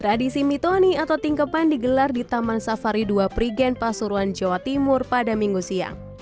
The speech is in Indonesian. tradisi mitoni atau tingkepan digelar di taman safari dua prigen pasuruan jawa timur pada minggu siang